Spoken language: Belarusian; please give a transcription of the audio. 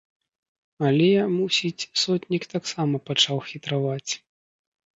Але, мусіць, сотнік таксама пачаў хітраваць.